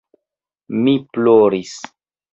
Mi ploris.